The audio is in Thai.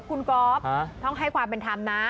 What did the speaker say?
คุณก๊อฟต้องให้ความเป็นธรรมนะ